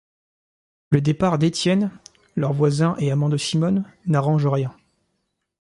Le départ d'Étienne, leur voisin et amant de Simone, n'arrange rien.